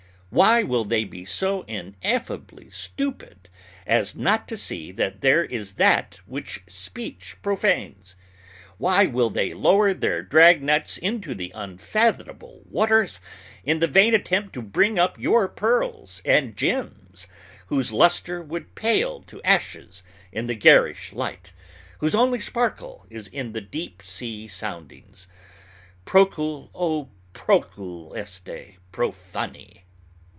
Why will they be so ineffably stupid as not to see that there is that which speech profanes? Why will they lower their drag nets into the unfathomable waters, in the vain attempt to bring up your pearls and gems, whose luster would pale to ashes in the garish light, whose only sparkle is in the deep sea soundings? _Procul, O procul este, profani!